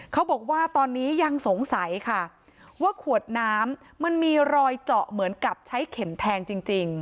เขาบอกว่าตอนนี้ยังสงสัยค่ะว่าขวดน้ำมันมีรอยเจาะเหมือนกับใช้เข็มแทงจริง